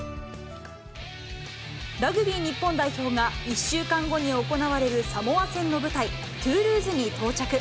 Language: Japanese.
ラグビー日本代表が１週間後に行われるサモア戦の舞台、トゥールーズに到着。